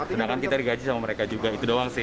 sedangkan kita digaji sama mereka juga itu doang sih